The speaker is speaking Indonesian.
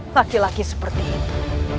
laki laki seperti itu